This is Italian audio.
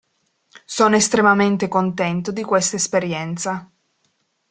Sono estremamente contento di questa esperienza.